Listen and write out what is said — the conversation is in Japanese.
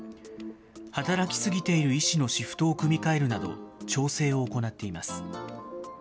働き過ぎている医師のシフトを組み替えるなど、調整を行っています。